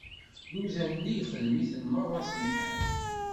Dduzan-nni ixdem-iten meṛṛa s nnḥas.